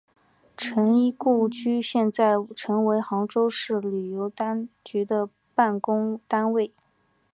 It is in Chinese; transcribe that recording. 陈仪故居现在成为杭州市旅游局的办公单位。